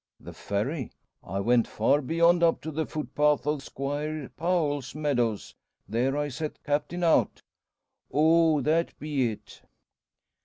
"The Ferry! I went far beyond; up to the footpath over Squire Powell's meadows. There I set Captain out." "Oh! that be it."